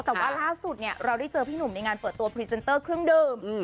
แต่ว่าล่าสุดเนี่ยเราได้เจอพี่หนุ่มในงานเปิดตัวพรีเซนเตอร์เครื่องดื่ม